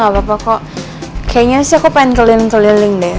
kayaknya sih aku pengen keliling keliling deh